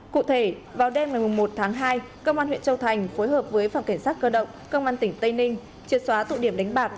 cụ thể vào đêm ngày một tháng hai cơ quan huyện châu thành phối hợp với phòng kiểm sát cơ động cơ quan tỉnh tây ninh triệt xóa tụ điểm đánh bạc